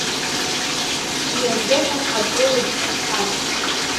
Уи азыҳәан акы лыӡбахьан.